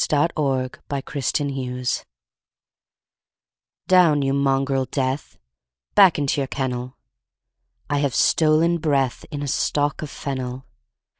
THE POET AND HIS BOOK Down, you mongrel, Death! Back into your kennel! I have stolen breath In a stalk of fennel!